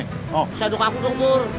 sedok aku dong pur